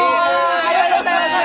ありがとうございます！